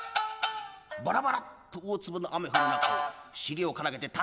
バラバラッと大粒の雨降る中を尻をからげてタッタッタッタッ